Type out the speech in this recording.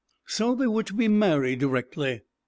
So they were to be married directly.